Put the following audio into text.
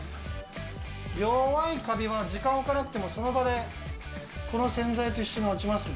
弱いかびは時間置かなくても、その場でこの洗剤と一緒に落ちますね。